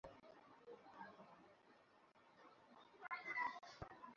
এরপর খাটের নিচ থেকে একটা জিআই পাইপ বের করে বেদম পেটাতে থাকেন।